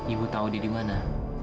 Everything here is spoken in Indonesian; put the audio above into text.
ibu tau dia dimana